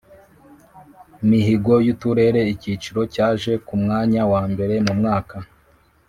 Mihigo y uturere icyiciro cyaje ku mwanya wa mbere mu mwaka